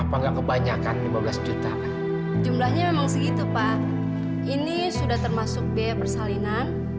apa enggak kebanyakan lima belas juta jumlahnya memang segitu pak ini sudah termasuk biaya persalinan